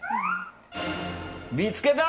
見つけた！